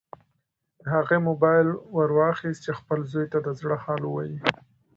هغې موبایل ورواخیست چې خپل زوی ته د زړه حال ووایي.